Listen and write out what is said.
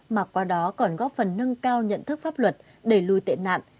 mà qua đó còn góp phần nâng cao nhận thức pháp luật đẩy lùi tệ nạn